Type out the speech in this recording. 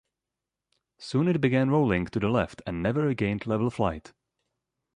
Soon it began rolling to the left, and never regained level flight.